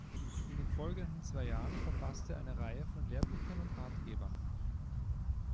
In den folgenden zwei Jahren verfasste er eine Reihe von Lehrbüchern und Ratgebern.